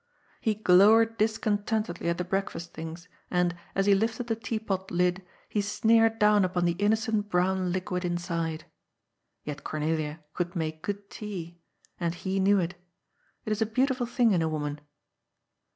He glowered discontentedly at the breakfast things, and, as he lifted the teapot lid, he sneered down upon the innocent brown liquid inside. Yet Cornelia could make good tea. And he knew it. It is a beautiful thing in a woman.